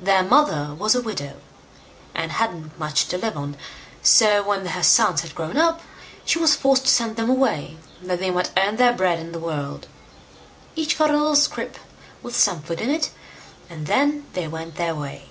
Their mother was a widow, and hadn't much to live on; so when her sons had grown up, she was forced to send them away, that they might earn their bread in the world. Each got a little scrip with some food in it, and then they went their way.